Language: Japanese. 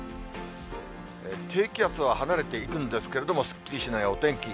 低気圧は離れていくんですけれども、すっきりしないお天気。